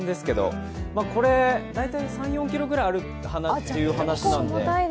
大体３４ｋｇぐらいあるという話なので。